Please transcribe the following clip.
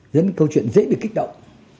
dẫn đến câu chuyện dễ bị kích động